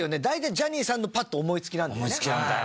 大体ジャニーさんのパッて思いつきなんだよね？